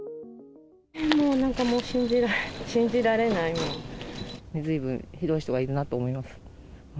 もう、なんかもう信じられなずいぶん、ひどい人がいるなと思います。